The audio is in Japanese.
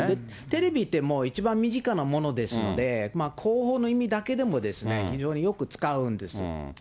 テレビってもう一番身近なものですので、広報の意味だけでも、非常によく使うんです。